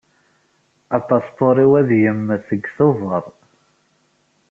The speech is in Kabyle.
Apaspuṛ-iw ad yemmet deg Tubeṛ.